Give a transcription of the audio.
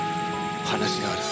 話がある。